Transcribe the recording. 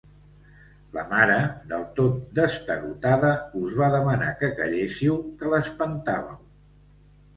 La mare, del tot destarotada, us va demanar que calléssiu, que l'espantàveu.